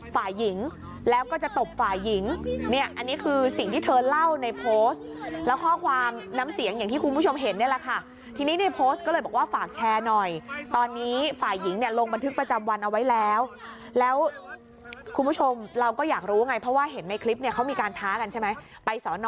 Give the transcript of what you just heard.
ฝ่ายหญิงแล้วก็จะตบฝ่ายหญิงเนี่ยอันนี้คือสิ่งที่เธอเล่าในโพสต์แล้วข้อความน้ำเสียงอย่างที่คุณผู้ชมเห็นเนี่ยแหละค่ะทีนี้ในโพสต์ก็เลยบอกว่าฝากแชร์หน่อยตอนนี้ฝ่ายหญิงเนี่ยลงบันทึกประจำวันเอาไว้แล้วแล้วคุณผู้ชมเราก็อยากรู้ไงเพราะว่าเห็นในคลิปเนี่ยเขามีการท้ากันใช่ไหมไปสอนอ